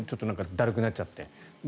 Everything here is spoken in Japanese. だるくなっちゃって。